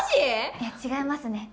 いや違いますね。